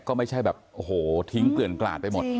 ก็ไม่ใช่แบบโอ้โหทิ้งเกลื่อนกลาดไปหมด